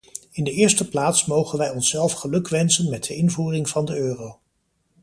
In de eerste plaats mogen wij onszelf gelukwensen met de invoering van de euro.